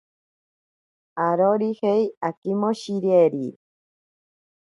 Arorijei akimoshireri.